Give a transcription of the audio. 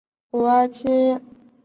当时有三种处理方案。